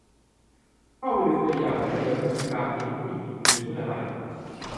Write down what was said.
เข้าไปดูตัวอย่าง แล้วเดี๋ยวจะมีการมีตติ้งอีกทีเมื่อไร